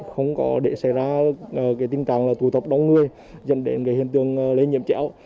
không có để xảy ra tình trạng tụ tập đông người dành đến hiện tượng lây diễm chéo